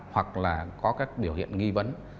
hoặc là có các biểu hiện nghi vấn